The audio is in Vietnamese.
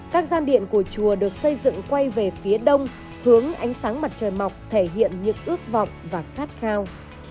các gian điện của chùa được xây dựng quay về phía đông hướng ánh sáng mặt trời mọc thể hiện những ước vọng và khát khao